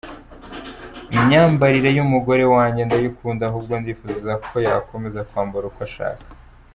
Imyambarire y’umugore wanjye ndayikunda ahubwo ndifuza ko yakomeza kwambara uko ashaka.